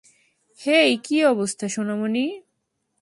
হেই, কী অবস্থা সোনামণি?